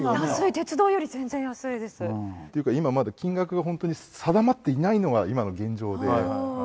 鉄道より全然安いです。というか今まだ金額がホントに定まっていないのが今の現状で。